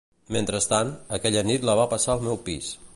Mentrestant, aquella nit la va passar al meu pis.